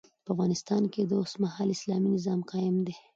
په افغانستان کي اوسمهال اسلامي نظام قايم دی